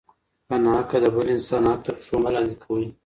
په ناحقه د بل انسان حق مه تر پښو لاندې کوئ.